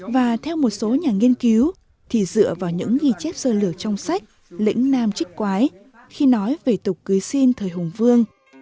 và theo một số nhà nghiên cứu thì dựa vào những ghi chép sơ lửa trong sách lĩnh nam trích quái khi nói về tục cưới xin thời hùng vương